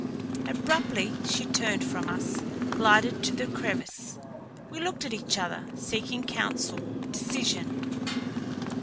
Abruptly she turned from us, glided to the crevice. We looked at each other, seeking council, decision.